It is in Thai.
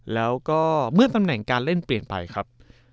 แล้วก็เมื่อตำแหน่งการเล่นเปลี่ยนไปครับ